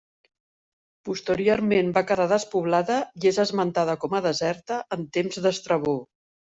Posteriorment va quedar despoblada i és esmentada com a deserta en temps d'Estrabó.